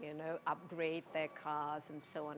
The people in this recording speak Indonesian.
semua orang ingin memperbaiki mobil mereka dan sebagainya